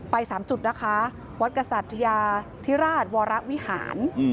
๓จุดนะคะวัดกษัตยาธิราชวรวิหาร